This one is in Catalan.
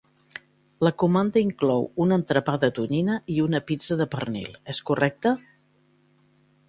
La comanda inclou un entrepà de tonyina i una pizza de pernil, és correcte?